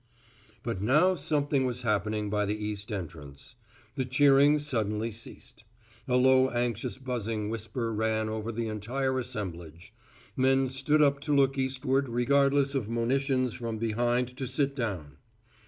But now something was happening by the east entrance. The cheering suddenly ceased, A low anxious buzzing whisper ran over the entire assemblage. Men stood up to look eastward regardless of monitions from behind to sit down.